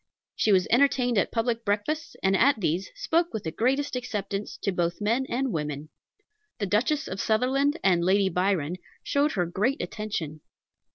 She was entertained at public breakfasts, and at these spoke with the greatest acceptance to both men and women. The Duchess of Sutherland and Lady Byron showed her great attention.